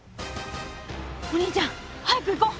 お兄ちゃん早く行こう！